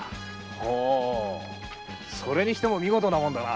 ほぅそれにしても見事なもんだな。